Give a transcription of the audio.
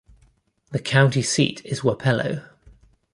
The county seat is Wapello.